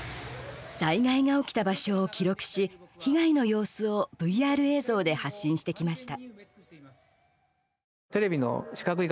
災害が起きた場所を記録し被害の様子をＶＲ映像で発信してきました。